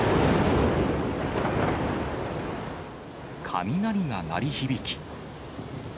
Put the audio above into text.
雷が鳴り響き。